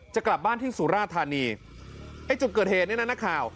จะกลับบ้านที่สุราธานีไอ้จุดเกิดเหตุเนี่ยนะนักข่าว